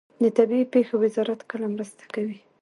د طبیعي پیښو وزارت کله مرسته کوي؟